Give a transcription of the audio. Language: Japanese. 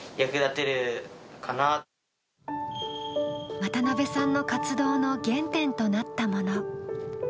渡邊さんの活動の原点となったもの。